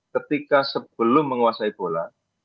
ketika sebelum menguasai bola